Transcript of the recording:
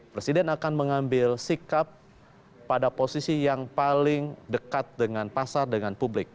presiden akan mengambil sikap pada posisi yang paling dekat dengan pasar dengan publik